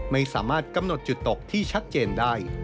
ไม่สามารถกำหนดจุดตกที่ชัดเจนได้